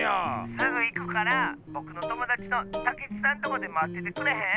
すぐいくからぼくのともだちのたけちさんとこでまっててくれへん？